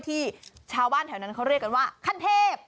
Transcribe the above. ที่ชาวบ้านแถวนั้นเขาเรียกกันว่าขั้นเทพ